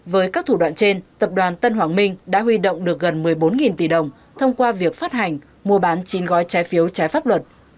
với các thủ đoạn trên tập đoàn tân hoàng minh đã huy động được gần một mươi bốn tỷ đồng thông qua việc phát hành mua bán chín gói trái phiếu trái pháp luật